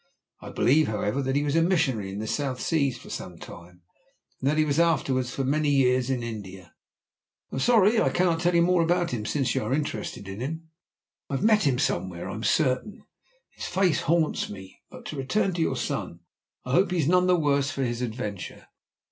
I believe, however, that he was a missionary in the South Seas for some time, and that he was afterwards for many years in India. I'm sorry I cannot tell you more about him since you are interested in him." "I've met him somewhere, I'm certain. His face haunts me. But to return to your son I hope he is none the worse for his adventure?"